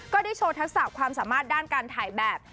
ก็ได้โชว์ทักษะความสามารถด้านการถ่ายแบบ